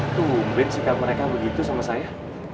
tumben sikap mereka begitu sama saya